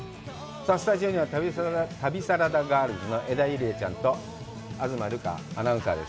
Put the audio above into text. さあスタジオには、旅サラダガールズの江田友莉亜ちゃんと、東留伽アナウンサーです。